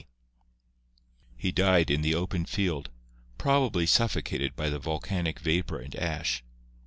d. He died in the open field, probably suffocated by the volcanic vapor and ash.